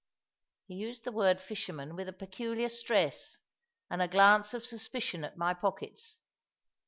He used the word "fisherman" with a peculiar stress, and a glance of suspicion at my pockets.